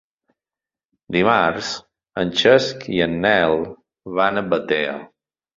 Dimarts en Cesc i en Nel van a Batea.